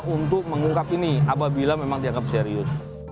untuk mengungkap ini apabila memang dianggap serius